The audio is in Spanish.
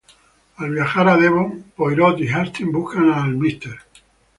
Al viajar a Devon, Poirot y Hastings buscan a Mr.